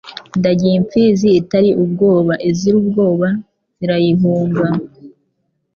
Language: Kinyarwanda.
Ndagiye impfizi itari ubwoba, Iziri ubwoba zirayihunga